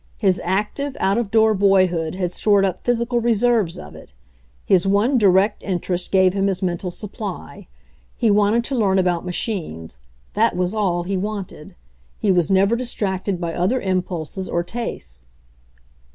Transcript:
His active, out of door boyhood had stored up physical reserves of it ; his one direct interest gave him his mental supply. He wanted to learn about machines ; that was all he wanted. He was never distracted by other impulses or tastes.